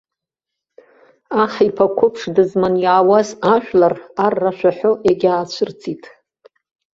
Аҳ иԥа қәыԥш дызман иаауаз ажәлар, ар рашәа ҳәо иагьаацәырҵит.